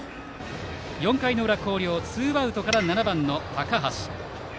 ４回の裏、広陵ツーアウトから７番の高橋。